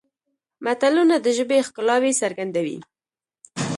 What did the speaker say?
متلونه د ژبې ښکلاوې څرګندوي